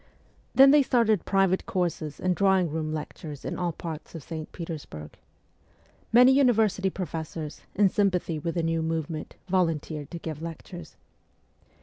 Then they started private courses and drawing room lectures in all parts of St. Petersburg. Many university professors, in sympathy with the new movement, volunteered to give lectures.